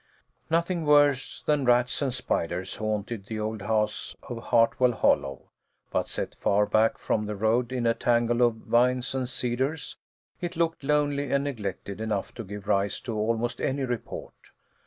NOTHING worse than rats and spiders haunted the old house of Hartwell Hollow, but set far back from the road in a tangle of vines and cedars, it looked lonely and neglected enough to give rise to almost any report.